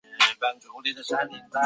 是我们的一分子